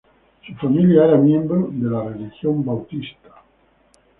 Su familia era miembro de la religión bautista.